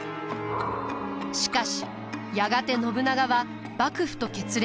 しかしやがて信長は幕府と決裂。